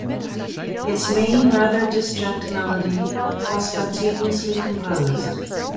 Its main, rather disjunct melody was spontaneously composed.